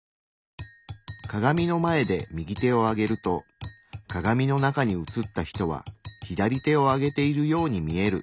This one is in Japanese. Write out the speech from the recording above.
鏡の前で右手を上げると鏡の中に映った人は左手を上げているように見える。